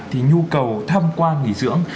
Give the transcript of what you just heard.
thì nhu cầu thăm quan nghỉ dưỡng